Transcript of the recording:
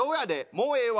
もうええわ！